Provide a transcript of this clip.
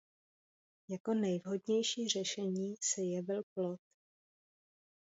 Jako nejvhodnější řešení se jevil plot.